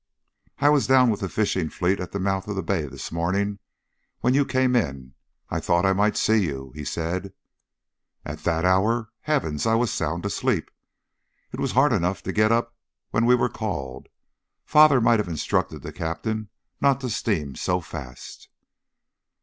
"I was down with the fishing fleet at the mouth of the bay this morning when you came in. I thought I might see you," he said. "At that hour? Heavens! I was sound asleep. It was hard enough to get up when we were called. Father might have instructed the captain not to steam so fast."